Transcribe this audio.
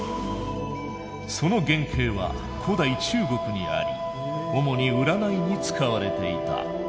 その原型は古代中国にあり主に占いに使われていた。